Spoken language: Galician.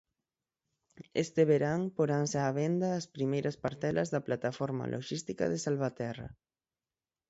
Este verán poranse á venda as primeiras parcelas da Plataforma loxística de Salvaterra.